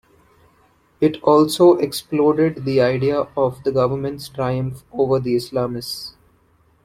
It also "exploded" the idea of the government's triumph over the Islamists.